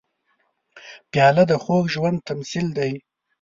پیاله د خوږ ژوند تمثیل دی.